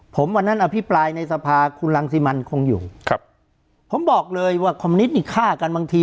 ผมวันนั้นอภิปรายในสภาคุณรังสิมันคงอยู่ครับผมบอกเลยว่าคอมนิตนี่ฆ่ากันบางที